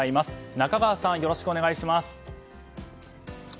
中川さん、よろしくお願いします。